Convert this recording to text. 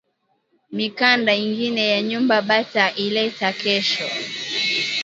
Mikanda ingine ya nyumba bata ileta kesho